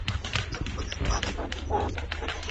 د اورګاډي له لارې سوداګریز توکي لیږدول کیږي.